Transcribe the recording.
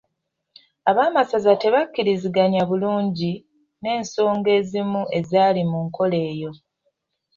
Ab'amasaza tebakkiriziganya bulungi n'ensonga ezimu ezaali mu nkola eyo.